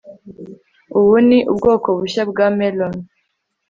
Ubu ni ubwoko bushya bwa melon